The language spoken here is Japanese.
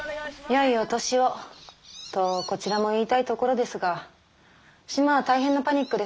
よいお年をとこちらも言いたいところですが島は大変なパニックです。